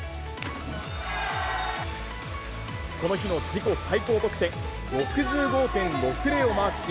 この日の自己最高得点、６５．６０をマークし、